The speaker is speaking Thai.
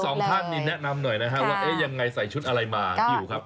สองท่านนี่แนะนำหน่อยนะฮะว่าเอ๊ะยังไงใส่ชุดอะไรมาพี่อุ๋ครับ